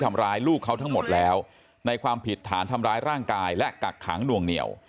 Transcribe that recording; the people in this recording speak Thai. ทำร้ายลูกเขาทั้งหมดแล้วในความผิดฐานทำร้ายร่างกายและกักขังหน่วงเหนียว